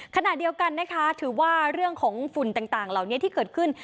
ขณะเดียวกันนะคะถือว่าเรื่องของฝุ่นต่างเหล่านี้ที่เกิดขึ้น